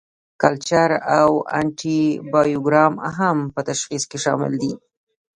کلچر او انټي بایوګرام هم په تشخیص کې شامل دي.